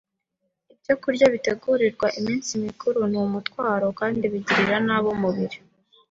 Ibyokurya bitegurirwa iminsi mikuru ni umutwaro kandi bigirira nabi umubiri —